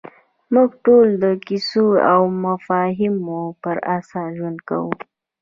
موږ ټول د کیسو او مفاهیمو پر اساس ژوند کوو.